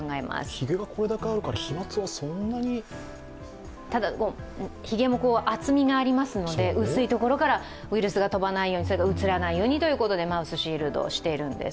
ひげがこれだけあるから飛まつはそんなにただ、ひげも厚みがありますので薄いところからウイルスが飛ばないように、うつらないようにということでマウスシールドをしているんです。